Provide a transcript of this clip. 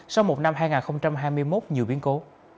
sau một năm hai nghìn hai mươi một nhiều biến cố